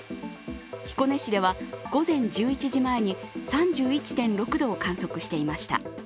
彦根市では午前１１時前に３１．６度を観測していました。